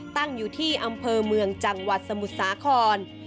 ตั้งอยู่ที่อำเภอเมืองจังหวัดสมุทรสาคร